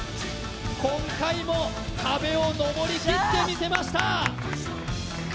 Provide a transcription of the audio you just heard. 今回も壁を登り切ってみせました！